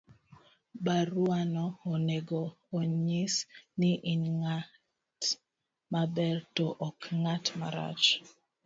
Baruano onego onyis ni in ng'at maber to ok ng'at marach.